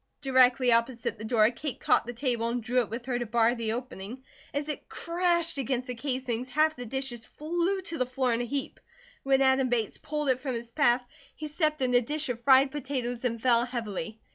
Directly opposite the door Kate caught the table and drew it with her to bar the opening. As it crashed against the casing half the dishes flew to the floor in a heap. When Adam Bates pulled it from his path he stepped in a dish of fried potatoes and fell heavily.